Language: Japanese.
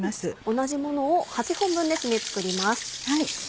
同じものを８本分作ります。